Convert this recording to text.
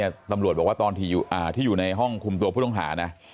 ตำรวจบอกว่าตอนที่อยู่ในห้องคุมตัวผู้ต้องหานะ